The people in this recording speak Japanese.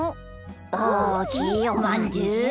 おおきいおまんじゅう。